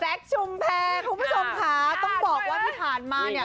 ชุมแพรคุณผู้ชมค่ะต้องบอกว่าที่ผ่านมาเนี่ย